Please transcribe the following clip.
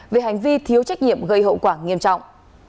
về hành vi thiếu trách nhiệm gây hậu quả nghiêm trọng